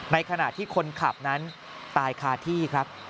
ในขณะที่คนขับนั้นตายคาที่ครับ